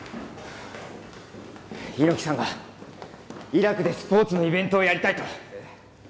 猪木さんが、イラクでスポーツのイベントをやりたいと。